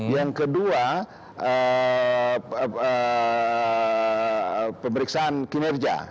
yang kedua pemeriksaan kinerja